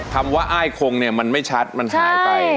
คำว่าอ้ายคงเนี่ยมันไม่ชัดมันหายไป